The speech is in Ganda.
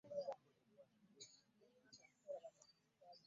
Ebyokulya bireeta ebikemo mu baana okubba n'okwegomba.